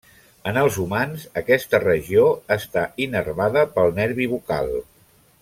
En els humans, aquesta regió està innervada pel nervi bucal.